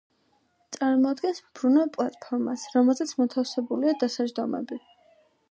წარმოადგენს მბრუნავ პლატფორმას, რომელზეც მოთავსებულია დასაჯდომები.